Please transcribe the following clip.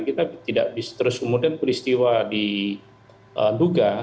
kita tidak bisa terus kemudian beristiwa di duga